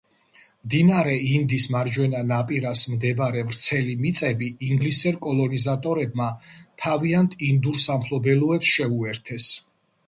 მდინარე ინდის მარჯვენა ნაპირას მდებარე ვრცელი მიწები ინგლისელ კოლონიზატორებმა თავიანთ ინდურ სამფლობელოებს შეუერთეს.